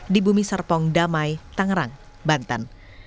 di bumi serpong damai tangerang banten